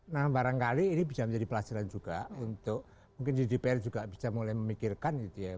nah barangkali ini bisa menjadi pelajaran juga untuk mungkin di dpr juga bisa mulai memikirkan gitu ya